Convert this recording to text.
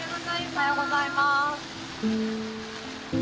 おはようございます。